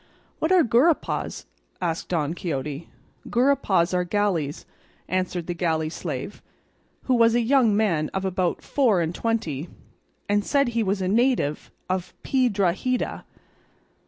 "What are gurapas?" asked Don Quixote. "Gurapas are galleys," answered the galley slave, who was a young man of about four and twenty, and said he was a native of Piedrahita.